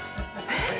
えっ？